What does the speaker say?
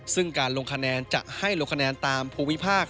ซึ่งการลงคะแนนจะให้ลงคะแนนตามภูมิภาค